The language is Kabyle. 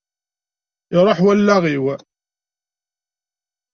Iṛuḥ wallaɣ-iw.